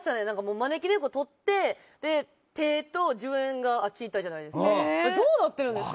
招き猫が取ってペット１０円があっちいったじゃないですか。